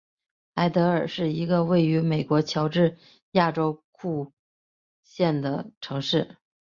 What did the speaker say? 艾得尔是一个位于美国乔治亚州库克县的城市。